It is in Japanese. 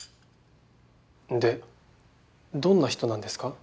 でどんな人なんですか？